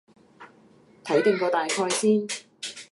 睇定個大概先